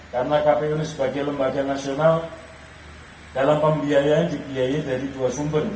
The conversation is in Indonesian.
karena kpu ini sebagai lembaga nasional dalam pembiayaan dibiayai dari dua sumber